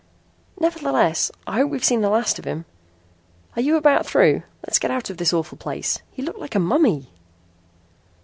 "Nevertheless I hope we've seen the last of him. Are you about through? Let's get out of this awful place. He looked like a mummy!"